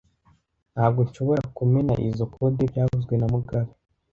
Ntabwo nshobora kumena izoi code byavuzwe na mugabe